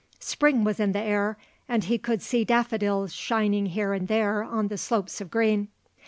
Spring was in the air and he could see daffodils shining here and there on the slopes of green.